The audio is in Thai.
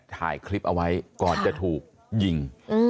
ถ่ายคลิปเอาไว้ก่อนจะถูกยิง